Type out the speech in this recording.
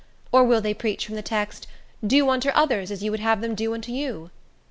or will they preach from the text, 'Do unto others as ye would they should do unto you'?"